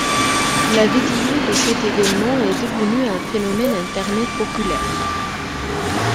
La vidéo de cet événement est devenu un phénomène Internet populaire.